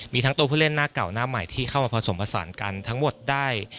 มีทั้งตัวผู้เล่นหน้าเก่าหน้าใหม่ที่เข้ามาผสมผสานกันทั้งหมดได้